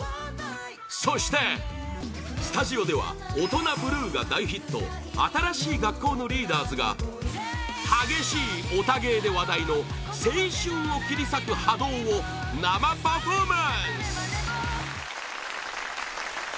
そして、スタジオでは「オトナブルー」が大ヒット新しい学校のリーダーズが激しいオタ芸で話題の「青春を切り裂く波動」を生パフォーマンス！